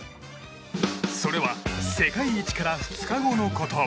それは世界一から２日後のこと。